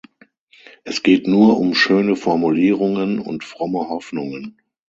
Es geht nur um schöne Formulierungen und fromme Hoffnungen.